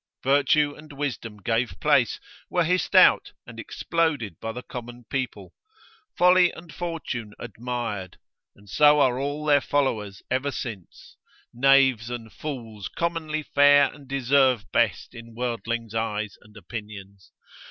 Virtue and Wisdom gave place, were hissed out, and exploded by the common people; Folly and Fortune admired, and so are all their followers ever since: knaves and fools commonly fare and deserve best in worldlings' eyes and opinions.